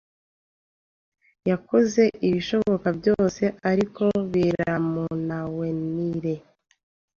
yakoze ibishoboka byose, ariko biramunawenira.